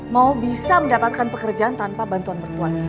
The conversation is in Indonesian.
mau bisa mendapatkan pekerjaan tanpa bantuan mertuanya